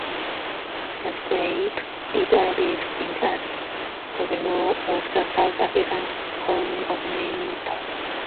Musgrave did a brief stint as governor of the South African colony of Natal.